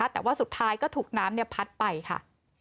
แต่ว่าสุดท้ายก็ถูกน้ำพัดไปค่ะ